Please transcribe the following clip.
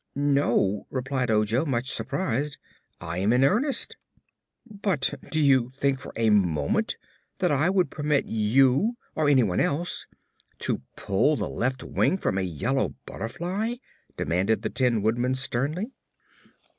"No," replied Ojo, much surprised; "I am in earnest." "But do you think for a moment that I would permit you, or anyone else, to pull the left wing from a yellow butterfly?" demanded the Tin Woodman sternly.